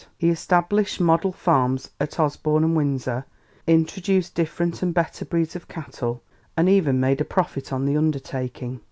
He established model farms at Osborne and Windsor, introduced different and better breeds of cattle, and even made a profit on the undertaking.